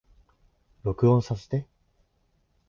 録音させて